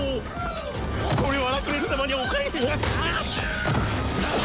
これはラクレス様にお返しします！